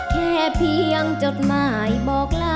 แค่เพียงจดหมายบอกลา